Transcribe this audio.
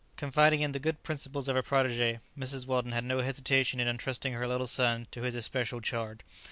Confiding in the good principles of her protégé, Mrs. Weldon had no hesitation in entrusting her little son to his especial charge.